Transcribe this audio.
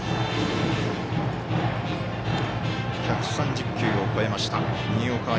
１３０球を超えました新岡歩